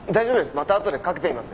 またあとでかけてみます。